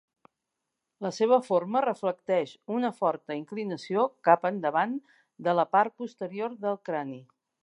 La seva forma reflecteix una forta inclinació cap endavant de la part posterior del crani.